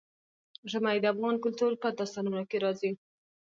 ژمی د افغان کلتور په داستانونو کې راځي.